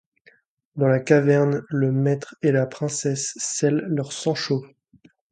Dans la caverne, le maître et la princesse scellent leur sang-chaud.